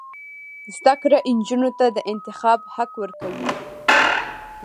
زده کړه نجونو ته د انتخاب حق ورکوي.